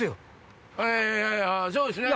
そうですね。